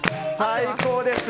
最高です。